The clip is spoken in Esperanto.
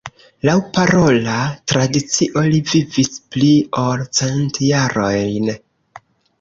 Laŭ parola tradicio, li vivis pli ol cent jarojn.